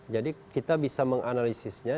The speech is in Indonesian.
jadi kita bisa menganalisisnya